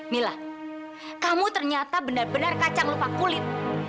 mila kamu ternyata benar benar kacang lupa kulit